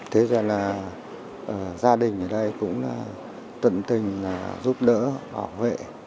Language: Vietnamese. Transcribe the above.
thế rồi là gia đình ở đây cũng tận tình giúp đỡ bảo vệ